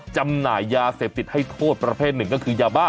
จำหน่ายยาเสพติดให้โทษประเภทหนึ่งก็คือยาบ้า